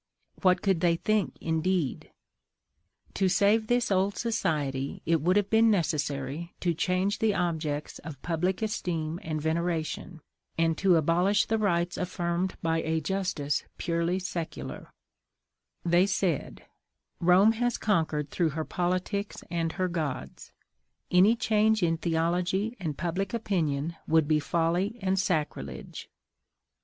What could they think indeed? To save this old society it would have been necessary to change the objects of public esteem and veneration, and to abolish the rights affirmed by a justice purely secular; they said: "Rome has conquered through her politics and her gods; any change in theology and public opinion would be folly and sacrilege.